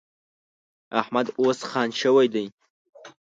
احمد اوس خان شوی دی.